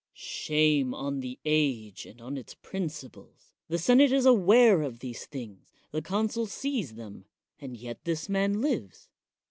Shame on the age and on its principles ! The senate is aware of these things; the consul sees them; and yet this man lives.